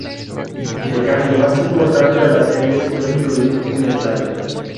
El cambio más importante a las series fue incluir un ensayo.